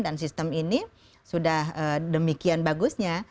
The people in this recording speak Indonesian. dan sistem ini sudah demikian bagusnya